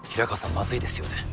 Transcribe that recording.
まずいですよね。